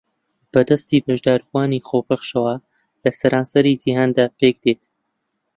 بە دەستی بەشداربووانی خۆبەخشەوە لە سەرانسەری جیھاندا پێکدێت